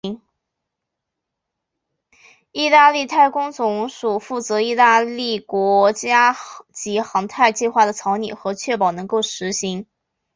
义大利太空总署负责义大利国家级航太计划的草拟和确保能够执行。